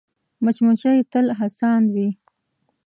مچمچۍ تل هڅاند وي